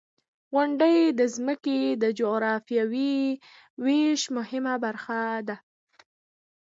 • غونډۍ د ځمکې د جغرافیوي ویش مهمه برخه ده.